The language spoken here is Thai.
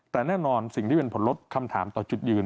แต่แน่นอนสิ่งที่เป็นผลลดคำถามต่อจุดยืน